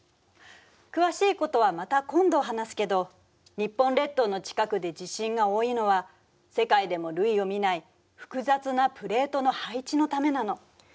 詳しいことはまた今度話すけど日本列島の近くで地震が多いのは世界でも類を見ない複雑なプレートの配置のためなの。